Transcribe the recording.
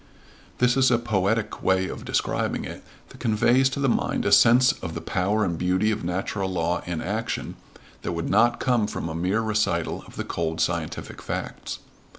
This is a poetic way of describing it that conveys to the mind a sense of the power and beauty of natural law in action, that would not come from a mere recital of the cold scientific facts.